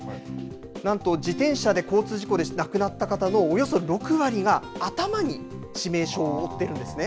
なんと自転車で交通事故で亡くなった方のおよそ６割が頭に致命傷を負っているんですね。